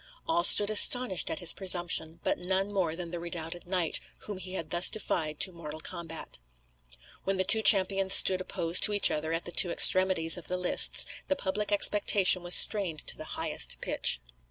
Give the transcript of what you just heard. All stood astonished at his presumption, but none more than the redoubted knight whom he had thus defied to mortal combat. When the two champions stood opposed to each other at the two extremities of the lists the public expectation was strained to highest pitch.